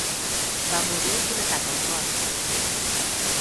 Va morir d'un atac al cor.